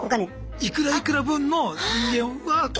いくらいくら分の人間を。